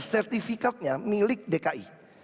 sertifikatnya milik dki